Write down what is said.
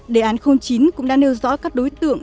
đề án chín cũng đã nêu rõ các đối tượng